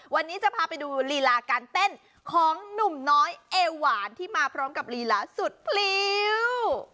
วันนี้จะพาไปดูลีลาการเต้นของหนุ่มน้อยเอหวานที่มาพร้อมกับลีลาสุดพลิ้ว